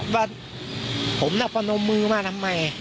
ว่าผมล็อคมานมือมาทำไม